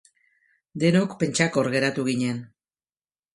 Denok pentsakor geratu ginen.